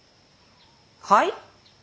はい？